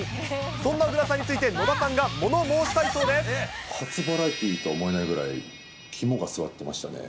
そんな小椋さんについて、初バラエティと思えないぐらい、肝がすわってましたね。